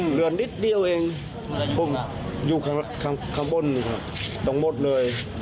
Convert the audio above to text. เหลือนิดเดียวเองผมอยู่ข้างข้างบนตรงหมดเลย